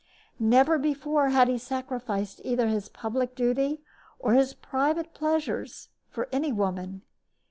Never before had he sacrificed either his public duty or his private pleasure for any woman.